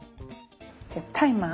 じゃあタイマー。